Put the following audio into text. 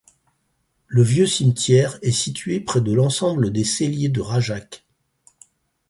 Le vieux cimetière est situé près de l'ensemble des celliers de Rajac.